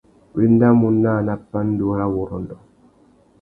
Wa endamú naā nà pandúrâwurrôndô.